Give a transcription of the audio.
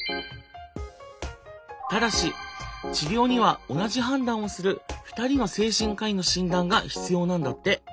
ただし治療には同じ判断をする２人の精神科医の診断が必要なんだって。